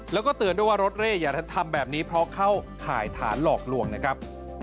แล้วก็เตือนด้วยว่ารถเร่อย่าทำแบบนี้เพราะเข้าข่ายฐานหลอกลวงนะครับ